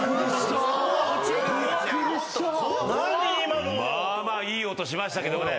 まあまあいい音しましたけどもね。